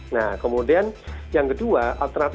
nah kemudian yang kedua alternatif